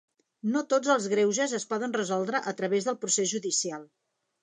No tots els greuges es poden resoldre a través del procés judicial.